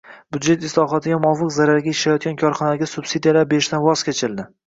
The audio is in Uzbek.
Byudjet islohotiga muvofiq zararga ishlayotgan korxonalarga subsidiyalar berishdan voz kechildi.